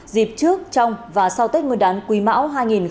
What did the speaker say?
dịp trước trong và sau tết nguyên đán quỳ mão hai nghìn hai mươi ba